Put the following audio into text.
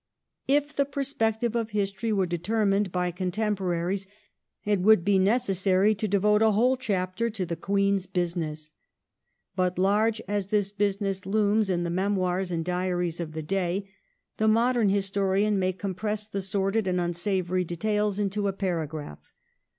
If the perspective of History were determined by contemporaries Queen it would be necessary to devote a whole chapter to the '* Queen's ^^'^°^*"'^ business ". But large as this business looms in the memoirs and diaries of the day, the modern Historian may compress the sordid and unsavoury details into a paragraph.